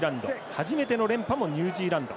初めての連覇もニュージーランド。